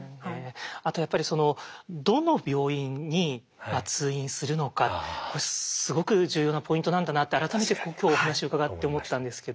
あとやっぱりどの病院に通院するのかこれすごく重要なポイントなんだなって改めて今日お話伺って思ったんですけど。